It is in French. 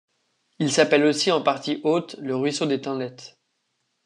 Il s'appelle aussi en partie haute, le ruisseau des Tinlettes.